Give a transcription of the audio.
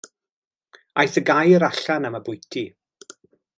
Aeth y gair allan am y bwyty.